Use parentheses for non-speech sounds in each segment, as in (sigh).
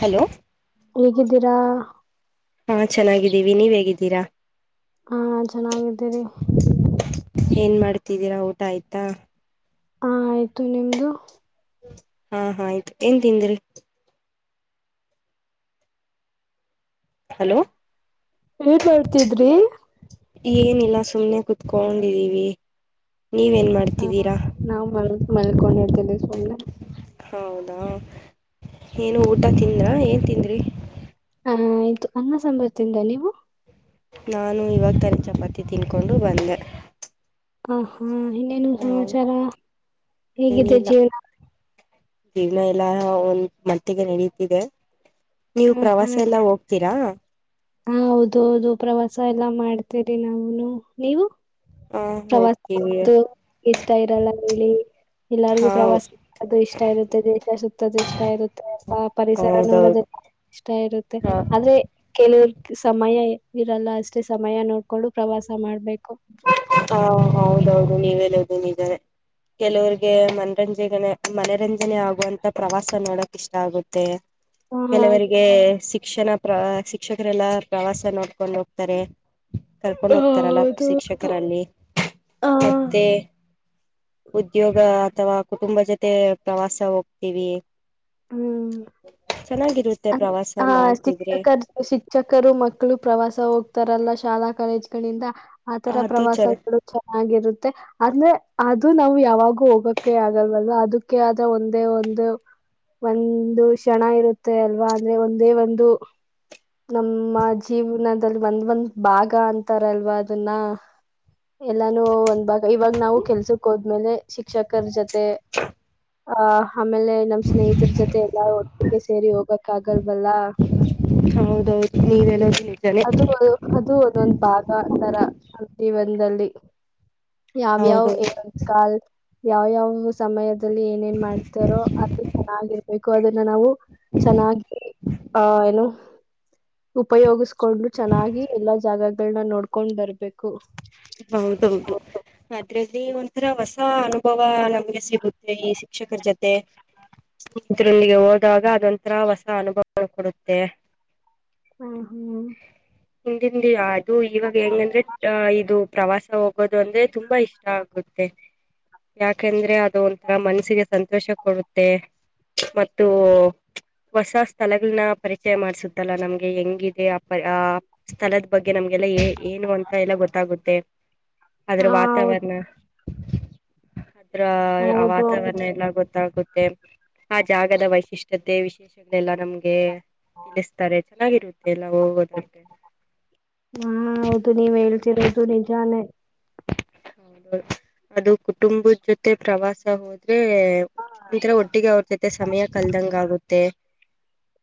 Hello ಹೇಗಿದ್ದೀರಾ ಹಾ ಚೆನ್ನಾಗಿದ್ದೀವಿ ನೀವ್ ಹೇಗಿದ್ದೀರಾ ಹಾಂ ಚೆನ್ನಾಗಿದ್ದೀವಿ ಏನ್ ಮಾಡ್ತಿದ್ದೀರಾ ಊಟ ಆಯ್ತಾ ಅಂ ಆಯ್ತು ನಿಮ್ದು ಹಾ ಹಾ ಆಯ್ತು ಏನ್ ತಿಂದ್ರಿ ಹಲೋ ಏನ್ ಮಾಡ್ತಿದ್ರಿ ಏನಿಲ್ಲ ಸುಮ್ನೆ ಕುೂತ್ಕೊಂಡಿದೀವಿ ನೀವೇನ್ ಮಾಡ ಹ ನಾವು ಮ ಮಲ್ಕೊಂಡ್ ಇದೀವಿ ಸುಮ್ನೆ ಹೌದಾ ಏನು ಊಟ ತಿಂದ್ರಾ ಏನ್ ತಿಂದ್ರಿ ಹ ಆಯ್ತು ಅನ್ನ ಸಾಂಬಾರ್ ತಿಂದೆ ನೀವು ನಾನು ಇವಾಗ ತಾನೆ ಚಪಾತಿ ತಿಂದ್ಕೊಂಡು ಬಂದೆ ಹ ಹಾ ಇನ್ನೇನು ಹ ಸಮಾಚಾರ ಹೇಗಿದೆ ಏನಿಲ್ಲ ಜೀವನ ಜೀವನ ಎಲ್ಲಾ ಒಂದ ಮತ್ತೆಗೆ ನಡೀತಿದೆ ನೀವು ಹ ಪ್ರವಾಸ ಎಲ್ಲ ಹೋಗ್ ತ್ತೀರಾ ಹಾ ಹೌದೌದು ಪ್ರವಾಸ ಎಲ್ಲಾ ಮಾಡ್ತೇರಿ ನಾವುನು ನೀವು ಹ ಪ್ರವಾಸ ಹೋಗ್ತೀವಿ ಮಾಡುದು ಇಷ್ಟ ಇರಲ್ಲ ಹೇಳಿ ಎಲ್ಲಾರಿಗು ಹಾ ಪ್ರವಾಸ ಅದು ಇಷ್ಟ ಇರುತ್ತೆ ದೇಶ ಸುತ್ತದ ಇಷ್ಟ ಇರುತ್ತೆ ಅವಾ ಪರಿಸರ ನೋಡದು ಹೌದೌದು ಇಷ್ಟ ಇರುತ್ತೆ ಹಾ ಆದ್ರೆ ಕೆಲವ ಸಮಯ ಇರಲ್ಲ ಅಷ್ಟೇ ಸಮಯ ನೋಡ್ಕೊಂಡು ಪ್ರವಾಸ ಮಾಡ್ಬೇಕು ಹಾ ಹೌದೌದು ನೀವ್ ಹೇಳೋದು ನಿಜಾನೆ ಕೆಲವರಿಗೆ ಮನದಂಜಿಗನೇ ಮನರಂಜನೆ ಆಗುವಂತ ಪ್ರವಾಸ ನೋಡಕ್ ಇಷ್ಟ ಆಗುತ್ತೆ ಹ ಕೆಲವರಿಗೆ ಶಿಕ್ಷಣ ಪ್ರ ಶಿಕ್ಷಕರೆಲ್ಲಾ ಪ್ರವಾಸ ನೋಡ್ಕೊಂಡ್ ಹೋಗ್ತಾರೆ ಕರ್ಕೊಂಡ್ ಹೋಗ್ತಾರಲ್ಲ ಹೌದು ಹೌದು ಶಿಕ್ಷಕರಲ್ಲಿ ಹ ಮತ್ತೆ ಉದ್ಯೋಗ ಅಥವಾ ಕುಟುಂಬ ಜೊತೆ ಪ್ರವಾಸ ಹೋಗ್ತೀವಿ ಹ್ಮ್ ಚೆನ್ನಾಗಿರುತ್ತೆ ಹ ಪ್ರವಾಸ ಮಾಡ್ತಿದ್ರೆ ಶಿಕ್ಷಕರ್ ಶಿಕ್ಷಕರು ಮಕ್ಕಳು ಪ್ರವಾಸ ಹೋಗ್ತಾರಲ್ಲ ಶಾಲಾ ಕಾಲೇಜ್ಗಳಿಂದ ಆ ತರ ಅದು ಚ ಪ್ರವಾಸಗಳು ಚೆನ್ನಾಗಿರುತ್ತೆ ಅಂದ್ರೆ ಅದು ನಾವು ಯಾವಾಗೂ ಹೋಗಕ ಆಗಲ್ವಲ್ ಅದಕ್ಕೆ ಆದ ಒಂದೇ ಒಂದು ಒಂದು ಕ್ಷಣ ಇರುತ್ತೆ ಅಲ್ವಾ ಅಂದ್ರೆ ಒಂದೇ ಒಂದು ನಮ್ಮ ಜೀವನದಲ್ಲಿ ಒಂದ್ ಒಂದ್ ಭಾಗ ಅಂತಾರಲ್ವಾ ಅದನ್ನ ಎಲ್ಲಾನು ಒಂದ್ ಭಾಗ ಇವಾಗ ನಾವು ಕೆಲ್ಸಕ್ ಹೋದ್ಮೇಲೆ ಶಿಕ್ಷಕರ ಜೊತೆ ಆ ಆಮೇಲೆ ನಮ್ಮ್ ಸ್ನೇಹಿತರ ಜೊತೆ ಎಲ್ಲಾರೂ ಒಟ್ಟಿಗೆ ಸೇರಿ ಹೋಗಕ್ ಆಗಲ್ವಲ್ಲಾ ಹೌದೌದು ನೀರೆಲ್ಲ ಅದು ಅದು ಒಂದೊಂದು್ ಭಾಗ ತರ ಜೀವನದಲ್ಲಿ ಯಾವ ಯಾವ ಹೌದೌದು. ಏಕಾಲ ಯಾವ ಯಾವ ಸಮಯದಲ್ಲಿ ಏನೇನ್ ಮಾಡ್ತಾರೋ ಅದು ಚೆನ್ನಾಗಿರ್ಬೇಕು ಅದನ್ನ ನಾವು ಚೆನ್ನಾಗಿ ಆ ಏನು ಉಪಯೋಗಿಸಕೊಂಡ್ಲು ಚೆನ್ನಾಗಿ ಎಲ್ಲಾ ಜಾಗಗಳನ್ನ ನೋಡ್ಕೊಂಡ್ ಬರ್ಬೇಕು ಹೌದೌದು ಅದ್ರಲ್ಲಿ ಒಂಥರ ಹೊಸ ಅನುಭವ ನಮ್ಗೆ ಸಿಗುತ್ತೆ ಈ ಶಿಕ್ಷಕರ ಜೊತೆ ಮರೊಂದಿಗೆ ಹೋದಾಗ ಅದೊಂಂತರ ಹೊಸ ಅನುಭವ ಕೊಡುತ್ತೆ ಹ್ಮ್ ಹ್ಮ್ ಹಿಂದಿಂದ ಅದು ಇವಾಗ ಹೆಂಗಂದ್ರೆ ಅ ಇದು ಪ್ರವಾಸ ಹೋಗೋದು ಅಂದ್ರೆ ತುಂಬಾ ಇಷ್ಟ ಆಗುತ್ತೆ ಯಾಕಂದ್ರೆ ಅದು ಒಂಥರ ಮನಸ್ಸಿಗೆ ಸಂತೋಷ ಕೊಡುತ್ತೆ ಮತ್ತು ಹೊಸ ಸ್ಥಳಗಳನ್ನ ಪರಿಚಯ ಮಾಡ್ಸುತ್ತಲ್ಲ ನಮ್ಗೆ ಹೆಂಗಿದೆ ಅ ಆ ಸ್ಥಳದ ಬಗ್ಗೆ ನಮ್ಗೆಲ್ಲ ಏನು ಅಂತ ಎಲ್ಲ ಗೊತ್ತಾಗುತ್ತೆ ಅದ್ರ ಹ ಹೌದು ವಾತಾವರ್ರಣ ಅ ಹೌದು ವಾತಾವರಣ ಹೌದು ಎಲ್ಲ ಗೊತ್ತ ಮಾತ್ತಾಕುತ್ತೆ ಆ ಜಾಗದ ವೈಶಿಷ್ಟ್ಯತೆ ವಿಶೇಷಗಳೆಲ್ಲ ನಮ್ಗೆ ತಿಳಿಸ್ತಾರೆ ಚೆನ್ನಾಗಿರುತ್ತೆ ಎಲ್ಲ ಹೋಗೋದಕ್ಕೆ ಹಾ ಹೌದು ನೀವ್ ಹೇಳ್ತಿರೋದು ನಿಜಾನೇ ಹೌದುದು ಅದು ಕುಟುಂಬದ ಜೊತೆ ಪ್ರವಾಸ ಹೋದ ್ರೆ ಒಂಥರ ಒಟ್ಟಿಿಗೆ ಅವರ್ತತೆ ಸಮಯ ಕಲ್ದಂಗ ಆಗುತ್ತೆ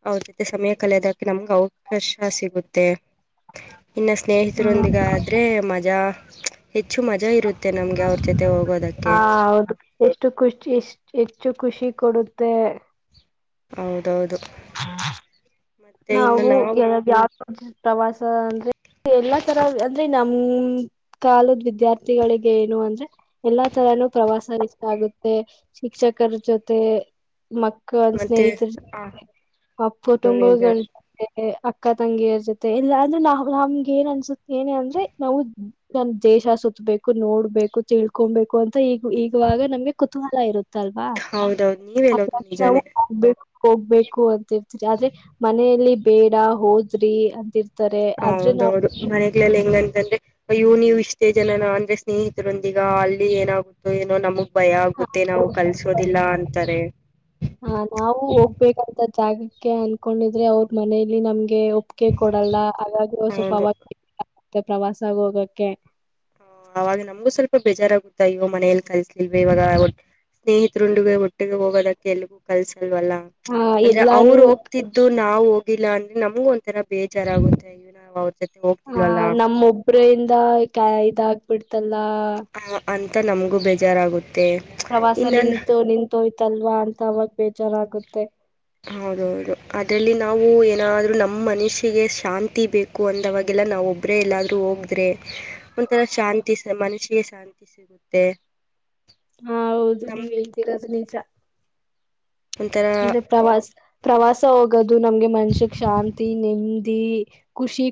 ಅವ್ರ ಜೊತೆ ಸಮಯ ಕಲಿಯೋದಕ್ಕೆ ನಮ್ಗೆ ಅವಕಾಶ ಸಿಗುತ್ತೆ ಇನ್ನು ಹ್ಮ ಸ್ನೇಹಿತರೊಂದಿಿಗೆ ಆದ್ರರೆ ಮಜಾ ಹೆಚ್ಚು ಮಜಾ ಇರುತ್ತೆ ನಮ್ಗೆ ಅವ್ರ ಜೊತೆ ಹೋಗೋದಕ್ಕೆ ಹಾ ಹೌದು ಎಷ್ಟು ಖುಷ ಎಷ್ಟ್ ಹೆಚ್ಚು ಖುಷಿ ಕೊಡುತ್ತೆ ಹೌದೌದು ಮತ್ತೆ ಇನ್ನು ನಾವು ಯಾವ ಪ್ರವಾಸ ಅಂದ್ರೆ ಎಲ್ಲಾ ತರ ಅಂದ್ರೆ ನಮ ಕಾಲದ ವಿದ್ಯಾರ್ಥಿಗಳಿಗೆ ಏನು ಅಂದ್ರೆ ಎಲ್ಲಾ ತರಾನೂ ಪ್ರವಾಸ ರಕ್ಷ ಆಗುತ್ತೆ ಶಿಕ್ಷಕರ ಜೊತೆ ಮ ಒಂದ್ ಮತ್ತೆ ಸ್ನೇಹಿತರು ಹ ಆ ಅದು ಕುಟುಂಬ ನಿಜ ಅಕ್ಕ ತಂಗಿಯರ್ ಜೊತೆ ಇಲ್ಲ ಅಂದ್ರೆ ನಾ ನಮ್ಗೆ ಏನ್ ಅನ್ಸುತ್ತ ಏನೆ ಅಂದ್ರೆ ನಾವು ನಮ ದೇಶ ಸತ್ಬೇಕು ನೋಡ್ಬೇಕು ತಿಳ್ಕೊಬೇಕು ಅಂತ ಈಗ ಈಗವಾಗ ನಮ್ಗೆ ಕುತೂಹಲ ಇರುತ್ತೆ ಲ್ವಾ ಹೌದೌದು ನೀವ್ ಹೇಳೋದು ನಿಜಾನೇ ಹೋಗ್ಬೇಕು ಅಂತಿರ್ತರಿ ಆದ್ರೆ ಮನೆಯಲ್ಲಿ ಬೇಡ ಹೋದ್ರಿ ಅಂತಿರ್ತರಿ ಹೌದೌದು ಮನೆಲ್ಲ ಹೆಂಗ್ಂತಂದ್ರೆ ಇ್ಯವು ನೀವು ಇಷ್ಟೇ ಜನನ ಅಂದ್ರೆ ಸ್ನೇಹಿತರೊಂದಿಗ ಅಲ್ಲಿ ಏನಾಗುತ್ತೋ ಏನೋ ನಮಗ್ ಭಯ ಆಗುತ್ತೆ ನಾವು ಕಲ್ಸೋದಿಲ್ಲ ಅಂತಾರೆ ಹ ನಾವು ಹೋಗ್ಬೇಕಂತ ಜಾಗಕ್ಕೆ ಅನ್ಕೊಂಡಿದ್ರೆ ಅವ್ರ ಮನೇಲಿ ನಮ್ಗೆ ಒ ಕೆ ಕೊಡಲ್ಲ ಹಾಗಾಗಿ ಹೌದು ಸ್ವಲ್ಪ ಪ್ರವಾಸಗ ಹೋಗಕ್ಕೆ ಅವಾಗ ನಮ್ಗೂ ಸ್ವಲ್ಪ ಬೇಜಾರಾಗಗುತ್ತಾ ಅಯ್ಯೋ ಮನೆಯಲ್ಲಿ ಕಲ್ಸಲಿಲ್ವ ಇವಾಗ ಸ್ನೇಹಿತರುೊಂಡಿಗೆ ಒಟ್ಟಿಗೆ ಹೋಗೋದಕ್ಕೆ ಎಲ್ಗೂ ಕಲ್ಸಲ್ವಲ್ಲ ಆ ಅಂದ್ರೆ ಎಲ್ಲಾನು ಅವ್ರು ಹೋಗ್ತಿದ್ದ ಇದು ನಾವವು ಹೋಗಿಲ್ಲ ಅಂದ್ರೆ ನಮ್ಗ ಒಂಥರ ಬೇಜಾರಾಗುತ್ತೆ ಇ ನಾ್ ಅವ್ರ ಜೊತೆ ಹೋಗ್ತಿಲ್ವಲ್ಲ ಪ್ರ ಇಿಂದ ಕ ಇದ ಹಾಕ್ಬಿಡ್ತಲ್ಲ ಅಂತ ನಮಗೂ ಬೇಜಾರಾಗುತ್ತೆ ಪ್ರವಾಸ ಇನ್ನನ್ ನಿಂತು ನಿಂತೋಯ್ತಲ್ವಾ ಅಂತ ಅವಾಗ ಬೇಜಾರಾಗುತ್ತೆ ಹೌದೌದು ಅದರಲ್ಲಿ ನಾವು ಏನಾದೂ ನಮ್ಮ ಮನುಷ್ಯಿಗೆ ಶಾಂತಿ ಬೇಕು ು ಅಂದವಾಗೆಲ್ಲ ನಾವವು ಒಬ್ಬ್ರೇ ಎಲ್ಲಾದ್ರೂ ಹೋಗ್ರೆ ಒಂಥರ ಶಾಂತಿ ಮನಷಿಗೆ ಶಾಂತಿ ಸಿಗುತ್ತೆ ಹಾ ಹೌದು ನಮ್ಮ ನೀವ್ ಹೇಳ್ತಿೀರೋದು ನಿಜ ಒಥರ ಅಂದ್ರೆ ಪ್ರವಾಸ ಪ್ರವಾಸ ಹೋಗೋದು ನಮ್ಗೆ ಮನ್ಷ್ಯಕ್ ಶಾಂತಿ ನೆಮ್ಮದಿ ಖುಷಿ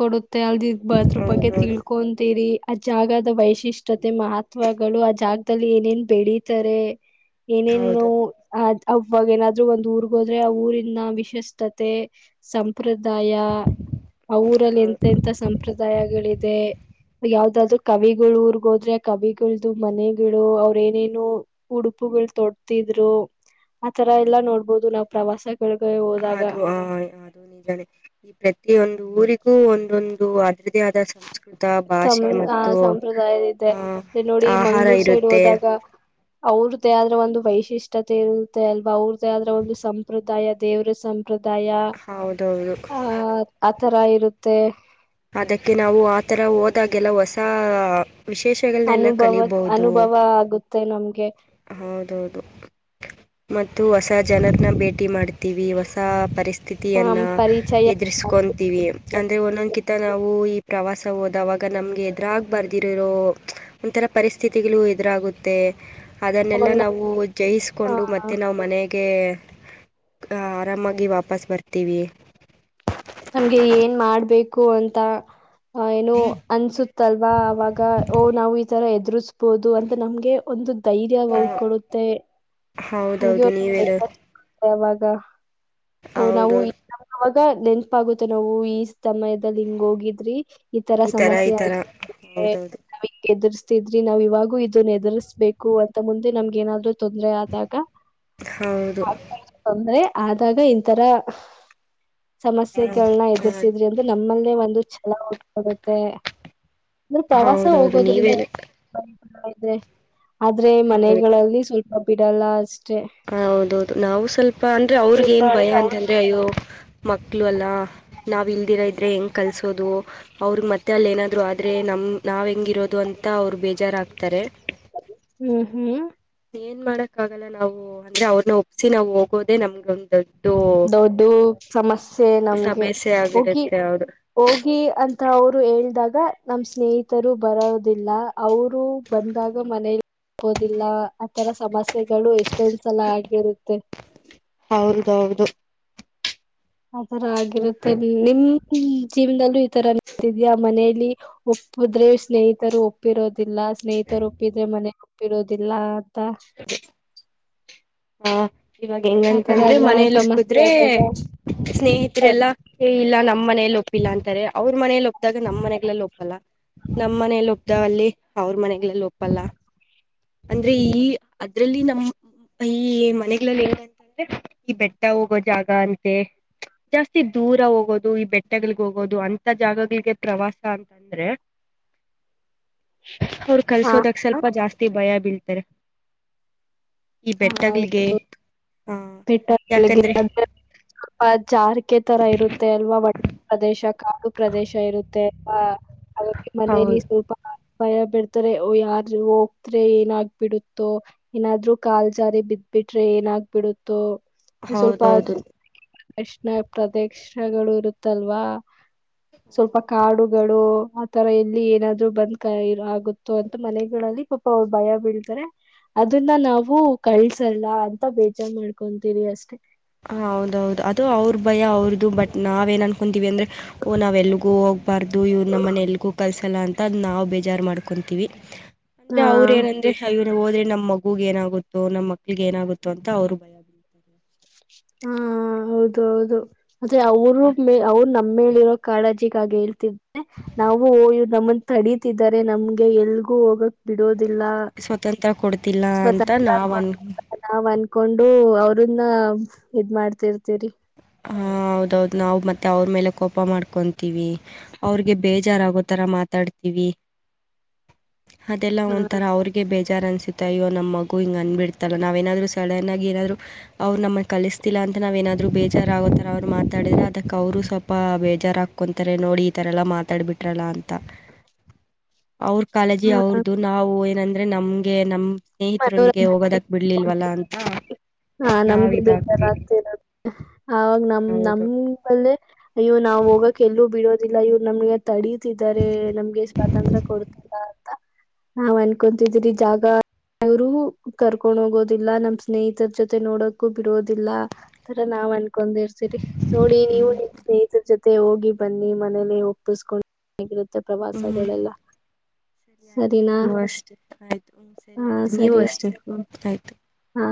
ಕೊಡುತ್ತೆ ಅಲ್ದ ಅದ್ರ ಬಗ್ಗೆ ತಿಳ ಹೌದೌದು ಕೊಂತೀರಿ ಆ ಜಾಗದ ವೈಶಿಷ್ಟ್ಯತೆ ಮಹತ್ವಗಳು ಆ ಜಾಗದಲ್ಲಿ ಏನೇನ್ ಬೆೇಡಿ ತಾರೆ ಏನೇನು ಹೌದೌದು ಅ ಅವಾಗ ಏನಾದ್ರರು ಒಂದ್ ಊರ್ಗ್ ಹೋದ್ರೆ ಆ ಊರಿನ ವಿಶಿಷ್ಟತೆ ಸಂಪ್ರದಾಯ ಅವಊರಲ್ಲಿ ಎಂತ ಹೌದು ಎಂಂತ ಸಂಪ್ರದಾಯಗಳಿದೆ ಯಾವ್ದಾದ್ರು ಕವಿಗಳು ಊರ್ಗ್ ಹೋದ್ರೆ ಕವಿಗಳ್ದ ಮನೆಗಳು ಅವ್ರ ಏನೇನು ಉಡುಪುಗಳು ತೊಡ್ತಿದ್ರು ಆ ತರ ಎಲ್ಲಾ ನೋಡ್ಬೋದು ನಾವ್ ಪ್ರವಾಸಗಳಗ ಹೋದಾಗ ಹಯ್ ಆ ದು ನಿಜಾನೆ ಈ ಪ್ರತಿಯೊಂದು ಊರಿಗೂ ಒಂದೊಂದು ಅದರದೇ ಆದ ಸಂಸ್ಕೃತ ಸಂ ಭಾಷೆ ಆ ಮತ್ತು ಸಂಪ್ರದಾಯ ಇದೆ ಆಹ್ ನೋಡಿ ಆಹಾರ ಮಂಗ್ಳೂರ್ ಸೈಡ್ ಇರುತ್ತೆ ಹೋದಾಗ ಅವ್ರದ್ದೇ ಆದ್ರ ಒಂದು ವೈಶಿಷ್ಟ್ಯತೆ ಇರುತ್ತೆ ಅಲ್ವಾ ಅವ್ರದ್ದೇ ಆದ್ರ ಒಂದು ಸಂಪ್ರದಾಯ ದೇವರ ಸಂಪ್ರದಾಯ ಹೌದೌದು ಆಹ ಆ ತರ ಇರುತ್ತೆ ಅದಕ್ಕೆ ನಾವು ಆತರ ಹೋದಾಗೆಲ್ಲ ಹೊಸ ವಿಶೇಷ ಅನುಭವ ಅನುಭವ ಆಗುತ್ತೆ ನಮ್ಗೆ ಹೌದೌದು ಮತ್ತು ಹೊಸ ಜನರನ್ನ ಭೇಟಿ ಮಾಡ್ತೀವಿ ಹೊಸ ಪರಿಸ್ ನಮ್ ಸ್ಥಿತಿಯನ್ನು ಪರಿಚಯ ಎದುರಿಸ್ಕೊಂಡ ವಿ ಅಂದರೆ ಒಂದೊಂದಕಿಂತ ನಾವು ಈ ಪ್ರವಾಸ ಹೋದವಾಗ ನಮ್ಗೆ ಎದುರಾಗ ಬರ್ದಿರರೋ ಒಂಥರ ಪರಿಸ್ಥಿತಿಗಳು ಎದುರಾಗುತ್ತೆ ಅದನ್ನೆಲ್ಲಾ ಅವಾಗ ನಾವು ಜಯಿಸ್ಕೊಂಡು ಮತ್ತುತ್ತೆ ನಾವು ಮನೆಗೆ ಆರಾಮಾಗಿ ವಾಪಸ್ ಬರ್ತೀವಿ ನಮ್ಗೆ ಏನ್ ಮಾಡ್ಬೇಕು ಅಂತ ಅ ಏನು ಅನ್ಸ ಅಲ್ವಾ ಅವಾಗ ಓ ನಾವು ಈ ತರ ಎದರು ಬಹದು ಅಂತ ನಮ್ಗೆ ಒಂದು ಧೈರ್ಯ ಆ, ಕೊಡುತ್ತೆ ಹಗೆ ಹೌದೌದು ನೀವೇನು ಅವಾಗ ಓ ನಾವು ಹೌದೌದು ನ ಅವಾಗ ನೆನಪಾಗುತ್ತೆ ನಾವು ಈ ಸಮಯದಲ್ಲಿ ಹಿಂಗ ಹೋಗಿದ್ರಿ ಈ ತರ ಥರ ಸಮಸ್ಯೆ ಈ ಥರ ಆಯತ ಹೌದೌದು ನಾವ ಎದುರಿಸ್ತಿದ್ರಿ ನಾವ್ ಇವಾಗೂ ಇದನ್ನ ಎದುರ್ರಿಸ್ಬೇಕು ಅಂತ ಮುಂದೆ ನಮ್ಗ ಏನಾದ್ೂ ತೊಂದರೆ ಆ ಹೌದು ತಂದ್ರೆ ಆದಾಗ ಇಥರ ಆ, ಸಮಸ್ಯೆಗಳನ್ನ ಆ, ಎದುರ್ಸಿದ್ರಿ ಅಂತ್ರ ನಮ್ಮಲ್ಲೇ ಒಂದು ಛಲ ಉಟ್ಕೊಡುತ್ತೆ ಅಂದ್ರೆ ಪ್ರವಾಸ ಹೌದೌದು ಹೋಗೋದ್ರಿಂದ ನೀವೇನು ಇದೆ ಆದ್ರೆ ಹೌದು ಮನೆಗಳಲ್ಲಿ ಸ್ವಲ್ಪ ಬಿಡಲ್ಲ ಅಷ್ಟೇ ಹ ಹೌದೌದು ನಾವು ಸ್ವಲ್ಪ ಅಂದ್ರೆ ಅವ್ರಗ ಏನ್ ಭಯ ಅಂತಂದ್ರೆ ಅಯ್ಯೋ ಮಕ್ಳು ಅಲ್ಲಾ ನಾವ್ ಇಲ್ದಿರೋ ಇದ್ರೆ ಹೆಂಗ್ ಕಲ್ಸೋದು ಅವ್ರಿಗೆ ಮತ್ತೆ ಅಲ್ಲಿ ಏನಾದ್ ಆದರೆ ನಮ್ ನಾವವು ಹೆಂಗಿರೋದು ಅಂತ ಅವ್ರು ಬೇಜಾರಾಗ್ತಾರೆ ಹ್ಮ್ ಹ್ಮ್ ಏನ್ ಮಾಡಕ್ ಆಗಲ್ಲ ನಾವು ಅಂದ್ರೆ ಅವ್ರನ ಒ ಸ ನಾವು ಹೋಗೋದೆ ನಮ್ಗೊಂದೊಡ್ ದೊಡ್ಡ ಸಮಸ್ಯೆ ನಮ್ಗೆ ಸಮಸ್ಯೆ ಹೋಗಿ ಆಗಿಡತ್ತೆ ಹೌದು ಹೋಗಿ ಅಂತ ಅವರು ಹೇಳ್ದಾಗ ನಮ ಸ್ನೇಹಿತರು ಬರೋದಿಲ್ಲ ಅವರು ಬಂದಾಗ ಮನೇಲಿಬೋದಿಲ್ಲ ಆತರ ಸಮಸ್ಯೆಗಳು ಎಷ್ಟೊಂದ್ ಸಲ ಆಗಿರುತ್ತೆ ಮತ್ತು (unintelligible) ಹೌದೌದು ಅದರ ಆಗಿರುತ್ತೆ ನೀವು ನಿಮ ಜೀವನದಲ್ಲೂ ಈ ತರಿದ್ಯಾಾ ಮನೆಯಲ್ಲಿ ಒಪ್ಪಿದ್ರೆ ಸ್ನೇಹಿತರು ಒಪ್ಪಿರೋದಿಲ್ಲ ಸ್ನೇಹಿತರು ಒಪ್ಪಿದ್ರೆ ಮನೆ ಒಪ್ಪಿರೋದಿಲ್ಲ ಅಂತ ಹ (unintelligible) ಹಾ ಇವಾಗ ಆತರ ಹೆಂಗಂತಂದ್ರೆ ಎಲ್ಲಾ ಮನೇಲಿ ಸಮಸ್ಯೆ ಒಕ್ಕುದ್ರೆ ಆದಾಗ ಸ್ನೇಹಿತರೆಲ್ಲಾ ಇಲ್ಲ ನಮ್ಮ್ ಮನೇಯಲ್ಲಿ ಒಪ್ಪಿಲ್ಲ ಅಂತಾರೆ ಅವ್ರ ಮನೇಲಿ ಒಪ್ಪ ಒ್ದಾಗ ನಮ್ಮ್ ಮನೆಗ್ಲ್ಲ ಒಪ್ಪಲ್ಲ ನಮ್ಮ್ನೆಯಲ್ಲಿ ಒಪ್ ಅಲ್ಲಿ ಅವ್ರ ಮನೆಗ್ಲ್ಲ ಒಪ್ಪಲ್ಲ ಅಂದ್ರೆ ಈ ಅದ್ರಲ್ಲಿ ನಮ (unintelligible) ಈ ಮನೆಗಳಲ್ಲಿ ಏನಂತಂದ್ರೆ ಈ ಬೆಟ್ಟ ಹೋಗೋ ಜಾಗ ಅಂತೆ ಜಾಸ್ತಿ ದೂರ ಹೋಗೋದು ಈ ಬೆಟ್ಟಗಳಿಗೆ ಹೋಗೋದು ಅಂತ ಜಾಗಗಳಿಗೆ ಪ್ರವಾಸ ಅಂತ ಅಂದ್ರೆ ಅವರು ಹಾ ಕಲ್ಸೋದಕ್ ಸ್ವಲ್ಪ ಜಾಸ್ತಿ ಭಯ ಬೀಳ್ತಾರೆ ಈ ಹಾ ಹೌದ ಬೆಟ್ಟಗಳಿಗೆ ಹೌದು ಹ ಬೆಟ್ಟ ಬೆಳಗೆ ಯಾಕಂದ್ರೆ ಜಾರಕೆ ತರ ಇರುತ್ತೆ ಅಲ್ವಾ ಒಟ್ಟೆ ಪ್ರದೇಶ ಕಾಡು ಪ್ರದೇಶ ಇರುತ್ತೆ ಹಾಗಕ್ಕೆ ಮನೆಯಲ್ಲಿ ಹೌದು ಸ್ವಲ್ಪ ಭಯ ಬಿಡ್ತಾರೆ ಯಾರ ಹೋಗತ್ರೆ ಏನಾಗಬಿಡುತ್ತೋ ಏನಾದ್ರು ಕಾಲ್ ಜಾರಿ ಬಿದ ಬಿಟ್ರೆ ಏನಾಗಬಿಡುತ್ತೋ ಸ್ವಲ್ಪ ಹೌದೌದು ಕಷ್ಣ ಪ್ರದೇಶಗಳು ಇರುತ್ತಲ್ವಾ ಸ್ವಲ್ಪ ಕಾಡುಗಳು ಆತರ ಎಲ್ಲಿ ಏನಾದ್ರು ಬದಕ ಆಗುತ್ತ ಅಂತ ಮನೆಗಳಲ್ಲಿ ಪಾಪ ಅವ್ರು ಭಯ ಬೀಳ್ತಾರೆ ಅದನ್ನ ನಾವು ಕಳ್ಸಲ್ಲ ಅಂತ ಬೇಜಾರ್ ಮಾಡ್ಕೊಂತೀರಿ ಅಷ್ಟೇ ಹ ಹೌದೌದು ಅದು ಅವ್ರ ಭಯ ಅವ್ರದು ಬಟ್ ನಾವ ಏನ್ ಅನ್ಕೊಂತೀವಿ ಅಂದ್ರೆ ಓ ನಾವ್ ಎಲ್ಗೂ ಹೋಗ್ಬಾರ್ದು ಇವ್ ನಮ್ಮನ ಎಲ್ಗೂ ಕಲ್ಸ ಅಂತ ಅ ನಾ್ ಬೇಜಾರ್ ಮಾಡ್ಕೊಂತೀವಿ ಅಂದ್ರೆ ಅವ್ರ ಹಾ ಏನಂದ್ರೆ ಹೋದ್ರೆ ನಮ್ಮ್ಗ ಏನಾಗುತ್ತ ನಮ್ಮ ಮಕ್ಳಗ್ ಏನಾಗುತ್ತೋ ಅಂತ ಅವ್ರು ಭಯ ಬೀಳ್ತಾರೆ ಹಾ ಹೌದು ಹೌದು ಅದೇ ಅವರು ಮ ಅವ್ರು ನಮ್ಮ ಮೇಲಿ ಇರೋ ಕಾಳಜಿಗಾಗಿ ಹೇಳ್ತಿದೆ ನಾವವುಯ ನಮ್ಮನ್ ತಡತಿದ್ದಾರೆ ನಮ್ಗೆ ಎಲ್ಗೂ ಹೋಗಕ್ ಸ್ವತಂತ್ರ ಕೊಡ್ತಿಲ್ಲ ಅಂತ ಸ್ವತಂತ್ರ ನಾವು ಅನ್ ಕೊಡುತ್ತಿಲ್ಲ ನಾವ್ ಅನ್ಕೊಂಡು ಅವ್ರನ್ನ ಇದ್ ಮಾಡ್ತಿರ್ತರಿ ಹ ಹೌದೌದು ನಾವು ಮತ್ತೆ ಅವ್ರ ಮೇಲೆ ಕೋಪ ಮಾಡ್ಕೊಂತೀವಿ ಅವ್ರಿಗೆ ಬೇಜಾರಾಗುತ್ತೆ ರ ಮಾತಾಡ್ತವಿ ಅದೆಲ್ಲ ಹಾ ಒಂಥರ ಅವ್ರ ಬೇಜಾರ್ ಅನ್ಸುತ್ತೆ ಅಯ್ಯೋ ನಮ್ಮ ಮಗು ಹಿಂಗ ಅಂದ್ಬಿಡ್ತಲ್ಲ ನಾವೇನಾದ್ರು ಸಡನ್ ಆಗಿ ಏನಾದ್ರು. ಅವ್ರ ನಮುಗ್ ಕಲುಸ್ತಿಲ್ಲ ಅಂತ ನಾವ್ ಏನಾದ್ರು ಬೇ ಬೇಜಾರ ಆಗೋ ಥರ ಅವ್ರು ಮಾತಾಡ್ರರೆ ಅದಕ್ಕೆ ಅವರು ಸ್ವಲ್ಪ ಬೇಜಾರಾಗ್ ಕಂತಾರೆ ನೋಡಿ ಈ ತರ ಎಲ್ಲ ಮಾತಾಡಿಬಿಟ್ರಲ್ಲ ಅಂ ಅವ್ರ ಕಾಳಜಿ ಹಾ ಅವ್ರದು ನಾವು ಏನಂದ್ರೆ ನಮ್ಗೆ ನಮ್- ಸ್ನೇಹಿತರೊಂದಿಗೆ ಮನೋರಂಜನೆ ಹೋಗೋದಕ್ ಬಿಡ್ಲಿಲ್ವಲ್ಲ ಅಂತ ನಾವ್ ಇದಾಗ್ತೀವಿ. ಆವಾಗ್ ನಮ್ ನಮಲ್ಲೇ. ಅಯ್ಯೊ ನಾವು ಹೋಗಕ್ ಎಲ್ಲೂ ಬಿಡೋದಿಲ್ಲ ಇವ್ರು ನಮ್ಗೆ. ತಡಿತಿದ್ದಾರೆ ನಮ್ಗೆ ಸ್ವಾತಂತ್ರ್ಯ ಕೊಡುತ್ತಿಲ್ಲ ಅಂತ. ನಾವ್ ಅನ್ಕೊತಿದೀರಿ ಜಾಗ. ಅವರು ಕರ್ಕೊಂಡ್ ಹೋಗೋದಿಲ್ಲ ನಮ್ಮ್ ಸ್ನೇಹಿತರ ಜೊತೆ ನೋಡಕೂ ಬಿಡೋದಿಲ್ಲ. ಅತರ ನಾವ್ ಅನ್ಕೊಂಡಿರ್ ಸರಿ ನೋಡಿ ನೀವು ನಿನ್ ಸ್ನೇಹಿತರ ಜೊತೆ ಹೋಗಿ ಬನ್ನಿ ಮನೇಲಿ ಒಪ್ಪಿಸ್ಕೊಂಡ ಹೆಗಿರುತ್ತೆ ಹ್ಞೂ ಪ್ರವಾಸಗಳೆಲ್ಲ ಸರಿ ಆಯಿತು ಸರಿನಾ. ನೀವು ಅಷ್ಟೇ ಆಯ್ತು ಹ್ಮ್ ಸರಿ ಆಯ್ತು ನೀವು ಅಷ್ಟೇ ಹ್ಮ ಆಯ್ತು. ಹ್ಮ